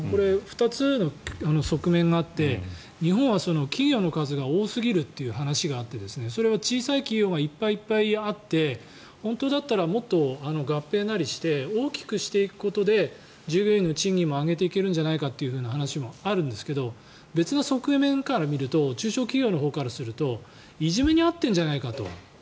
これ、２つの側面があって日本は企業の数が多すぎるということがあってそれは小さい企業がいっぱいあって本当だったらもっと合併なりして大きくしていくことで従業員の賃金も上げていけるんじゃないかという話もあるんですけど別の側面から見ると中小企業のほうからするといじめに遭っているんじゃないかと。